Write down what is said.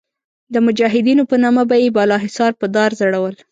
د مجاهدینو په نامه به یې بالاحصار په دار ځړول.